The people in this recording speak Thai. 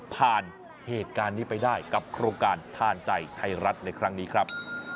ผ่านเหตุการณ์นี้ไปได้กับโครงการทานใจไทยรัฐในครั้งนี้ครับ